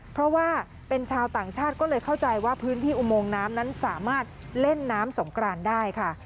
เพราะว่าเป็นชาวต่างชาติก็เลยเข้าใจว่าพื้นที่อุโมงน้ำนั้นสามารถเล่นน้ำสงกรานได้ค่ะ